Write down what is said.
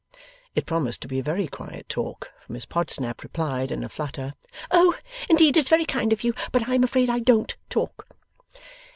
It promised to be a very quiet talk, for Miss Podsnap replied in a flutter, 'Oh! Indeed, it's very kind of you, but I am afraid I DON'T talk.